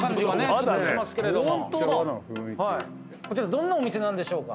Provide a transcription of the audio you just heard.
こちらどんなお店なんでしょうか。